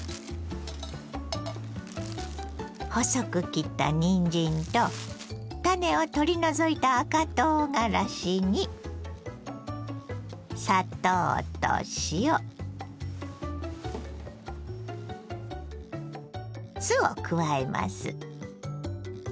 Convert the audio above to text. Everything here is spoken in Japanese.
細く切ったにんじんと種を取り除いた赤とうがらしにを加えます。